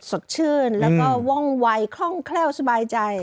สกชื่นแล้วก็ว้องไวข้องแค่วสบายใจ